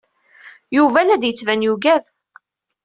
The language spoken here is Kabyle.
Yuba la d-yettban yuggad.